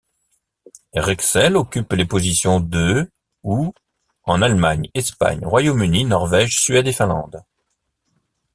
Rexel occupe les positions de ou en Allemagne, Espagne, Royaume-Uni, Norvège, Suède et Finlande.